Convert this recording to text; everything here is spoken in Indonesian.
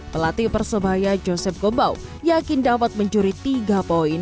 pelatih persebaya joseph gobau yakin dapat mencuri tiga poin